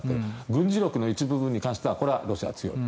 軍事力の一部分に関してはこれはロシアは強い。